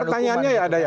pertanyaannya ada ya